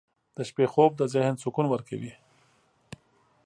• د شپې خوب د ذهن سکون ورکوي.